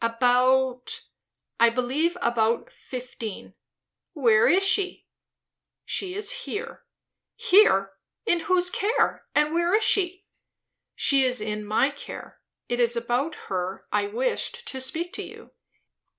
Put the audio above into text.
"About I believe, about fifteen." "Where is she?" "She is here." "Here! In whose care? and where is she?" "She is in my care. It is about her I wished to speak to you."